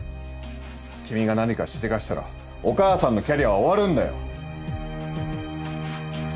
君が何かしでかしたらお母さんのキャリアは終わるんだよ。